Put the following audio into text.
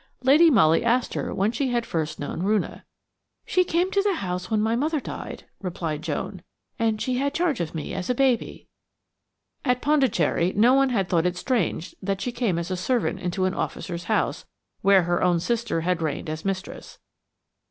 Lady Molly asked her when she had first known Roonah. "She came to the house when my mother died," replied Joan, "and she had charge of me as a baby." At Pondicherry no one had thought it strange that she came as a servant into an officer's house where her own sister had reigned as mistress.